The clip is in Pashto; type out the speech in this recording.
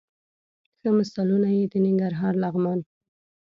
ښه مثالونه یې د ننګرهار، لغمان،